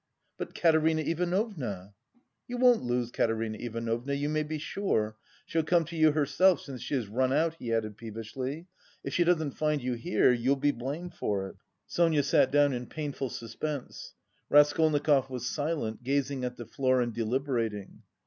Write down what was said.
"But... Katerina Ivanovna?" "You won't lose Katerina Ivanovna, you may be sure, she'll come to you herself since she has run out," he added peevishly. "If she doesn't find you here, you'll be blamed for it...." Sonia sat down in painful suspense. Raskolnikov was silent, gazing at the floor and deliberating.